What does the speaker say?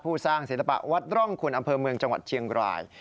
สร้างศิลปะวัดร่องคุณอำเภอเมืองจังหวัดเชียงราย